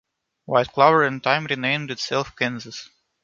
White Clover in time renamed itself Kansas.